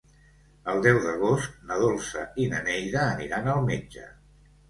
El deu d'agost na Dolça i na Neida aniran al metge.